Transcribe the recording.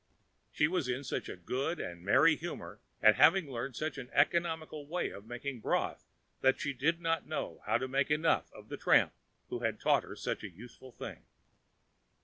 She was in such a good and merry humor at having learned such an economical way of making broth that she did not know how to make enough of the tramp who had taught her such a useful thing.